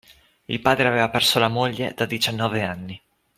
Il padre aveva perso la moglie da diciannove anni